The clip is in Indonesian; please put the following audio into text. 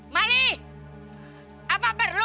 mali apa perlu